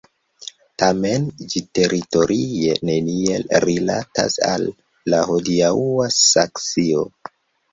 Tamen ĝi teritorie neniel rilatas al la hodiaŭa Saksio.